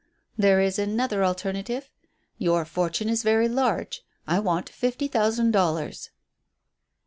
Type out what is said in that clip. "There is another alternative. Your fortune is very large. I want fifty thousand dollars."